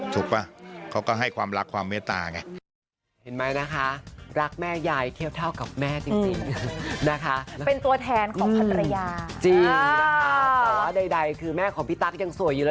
ป่ะเขาก็ให้ความรักความเมตตาไง